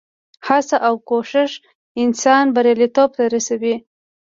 هڅه او کوښښ انسان بریالیتوب ته رسوي.